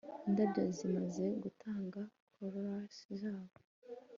indabyo zimaze gutanga corollas zabo